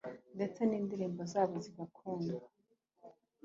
ndetse n’indirimbo zabo zigakundwa